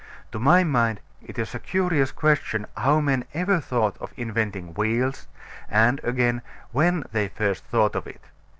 To my mind, it is a curious question how men ever thought of inventing wheels; and, again, when they first thought of it.